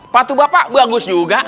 patu bapak bagus juga